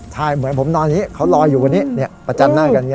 ใช่เหมือนผมนอนอย่างนี้เขารออยู่วันนี้ประจันหน้ากันไง